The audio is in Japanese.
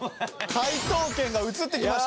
解答権が移ってきました。